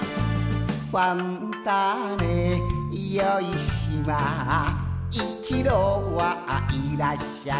「ファンターネよい島」「一度はいらっしゃい」